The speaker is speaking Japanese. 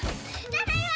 ただいま！